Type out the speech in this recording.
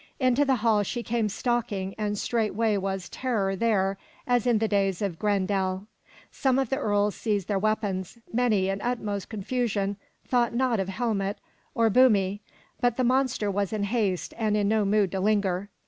Into the hall she came stalking and straightway was terror there as in the days of Grendel. Some of the earls seized their weapons, many in utmost confusion thought not of helmet or bumie. But the monster was in haste and in no mood to linger.